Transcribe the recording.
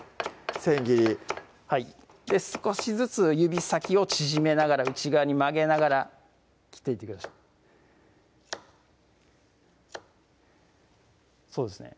千切りはい少しずつ指先を縮めながら内側に曲げながら切っていってくださいそうですね